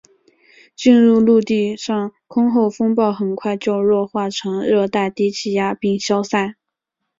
进入陆地上空后风暴很快就弱化成热带低气压并消散。